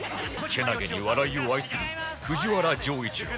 けなげに笑いを愛する藤原丈一郎